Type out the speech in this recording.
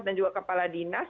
dan juga kepala dinas